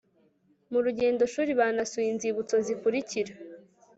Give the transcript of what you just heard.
Mu rugendo shuri banasuye inzibutso zikurikira